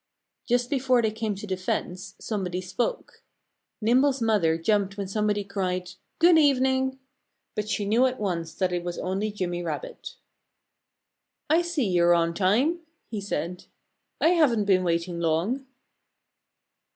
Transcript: Just before they came to the fence somebody spoke. Nimble's mother jumped when somebody cried, "Good evening!" But she knew at once that it was only Jimmy Rabbit. "I see you're on time," he said. "I haven't been waiting long."